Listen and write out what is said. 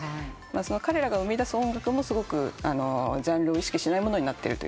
彼らが生みだす音楽もすごくジャンルを意識しないものになってる。